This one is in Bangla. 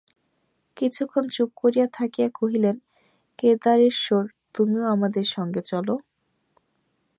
কিছুক্ষণ চুপ করিয়া থাকিয়া কহিলেন, কেদারেশ্বর, তুমিও আমাদের সঙ্গে চলো।